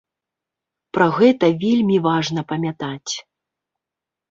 Пра гэта вельмі важна памятаць.